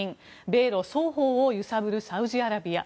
米露双方を揺さぶるサウジアラビア。